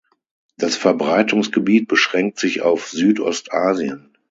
Das Verbreitungsgebiet beschränkt sich auf Südostasien.